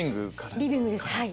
リビングですはい。